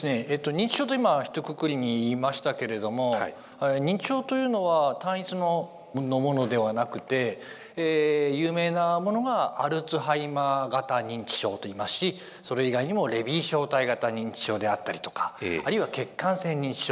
認知症と今ひとくくりに言いましたけれども認知症というのは単一のものではなくて有名なものが「アルツハイマー型認知症」と言いますしそれ以外にも「レビー小体型認知症」であったりとかあるいは「血管性認知症」